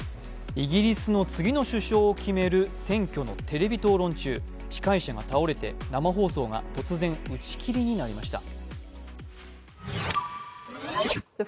イギリスの次の首相を決める選挙のテレビ討論中司会者が倒れて、生放送が突然打ち切りになりました。